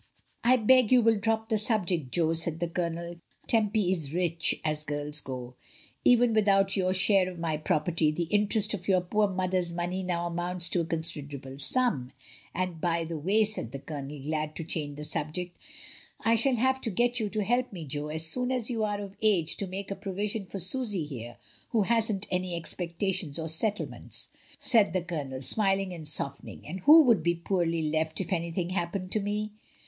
"I beg you will drop the subject, Jo/' said the Colonel. "Tempy is rich, as girls go. Even with out your share of my property, the interest of your poor mother's money now amoimts to a consider able sum, and, by the way," said the Colonel, glad to change the subject, "I shall have to get you to help me, Jo, as soon as you are of age, to make a provision for Susy here, who hasn't any expecta tions or settlements," said the Colonel, smiling and softening, "and who would be poorly left if anything happened to me."